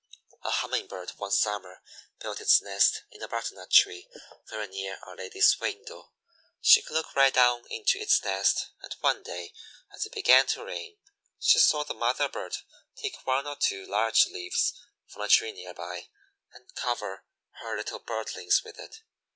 A Humming bird one summer built its nest in a butternut tree very near a lady's window. She could look right down into its nest, and one day, as it began to rain, she saw the mother bird take one or two large leaves from a tree near by and cover her little birdlings with it.